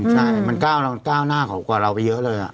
ใช่มันก้าวหน้ากว่าเราไปเยอะเลย